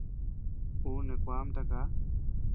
Ú neʼë kuaa ama takaa.